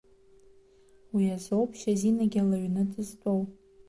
Уи азоуп Шьазинагьы лыҩны дызтәоу.